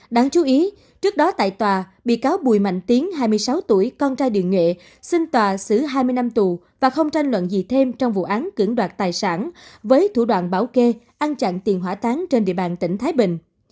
đáng chú ý trước đó tại tòa bị cáo bùi mạnh tiến hai mươi sáu tuổi con trai địa nghệ xin tòa xử hai mươi năm tù và không tranh luận gì thêm trong vụ án cưỡng đoạt tài sản với thủ đoạn bảo kê ăn chặn tiền hỏa táng trên địa bàn tỉnh thái bình